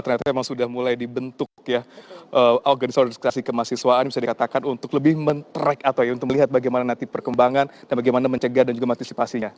ternyata memang sudah mulai dibentuk ya organisasi kemahasiswaan bisa dikatakan untuk lebih men track atau ya untuk melihat bagaimana nanti perkembangan dan bagaimana mencegah dan juga mengantisipasinya